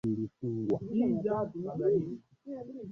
Shule ilifunguliwa